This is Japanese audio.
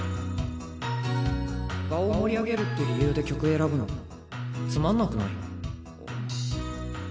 場を盛り上げるって理由で曲選ぶのつまんなくない？